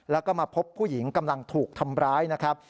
แล้วก็มาพบผู้หญิงกำลังถูกทำร้ายนะครับ